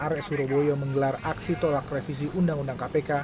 rs surabaya menggelar aksi tolak revisi undang undang kpk